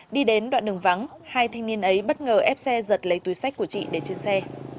đi đến đoạn đường vắng hai thanh niên ấy bất ngờ ép xe giật lấy túi sách của chị để trên xe